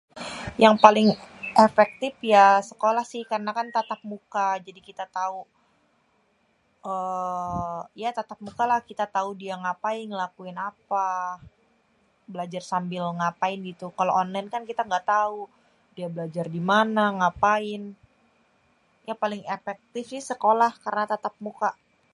yang paling efektif ya sekolah sih karena kan tatap muka jadi kita tau êêê ya tatap muka lah kita tau dia ngapain ngelakuin apa belajar sambil ngapain gitu, kalo onlinê kan kita gatau dia belajar dimana, ngapain, ya paling efektif sih sekolah, karna tatap muka.